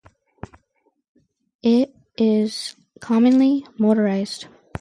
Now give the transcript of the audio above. It is commonly motorized.